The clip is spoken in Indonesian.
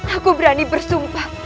aku berani bersumpah